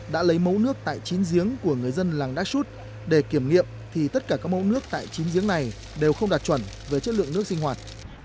đã lấy mẫu nước tại chín giếng của người dân làng đa sút để kiểm nghiệm thì tất cả các mẫu nước tại chín giếng này đều không đạt chuẩn về chất lượng nước sinh hoạt